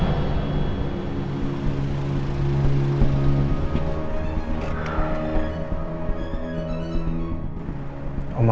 aku bisa ke rumah